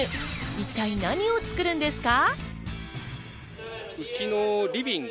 一体何を作るんですか？